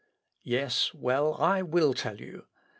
Yes; well, I will tell you.